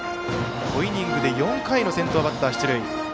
５イニングで４回の先頭バッター出塁。